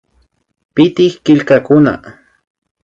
Pitik killkakuna